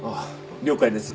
了解です。